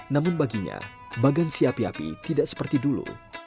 namun baginya bagan si api api tidak seperti dulu